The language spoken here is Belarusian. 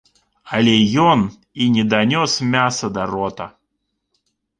Але ён і не данёс мяса да рота.